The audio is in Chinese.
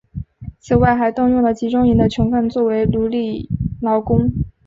此外还动用了集中营的囚犯作为奴隶劳工。